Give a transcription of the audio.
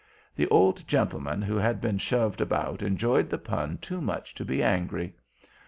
The old gentlemen who had been shoved about enjoyed the pun too much to be angry.